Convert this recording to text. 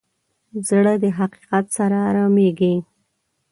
زړه د حقیقت سره ارامېږي.